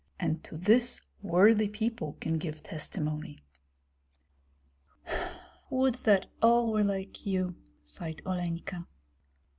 And to this worthy people can give testimony." "Would that all were like you!" sighed Olenka.